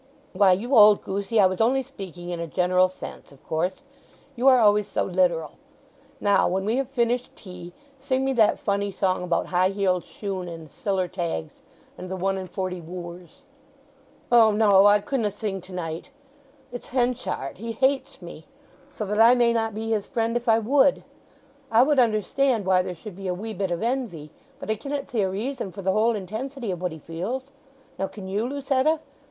"Why—you old goosey—I was only speaking in a general sense, of course! You are always so literal. Now when we have finished tea, sing me that funny song about high heeled shoon and siller tags, and the one and forty wooers." "No, no. I couldna sing to night! It's Henchard—he hates me; so that I may not be his friend if I would. I would understand why there should be a wee bit of envy; but I cannet see a reason for the whole intensity of what he feels. Now, can you, Lucetta?